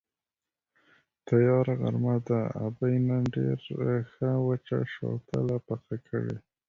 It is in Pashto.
تیاره غرمه ده، ابۍ نن ډېره ښه وچه شوتله پخه کړې.